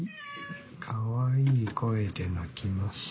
はいかわいい声で鳴きます。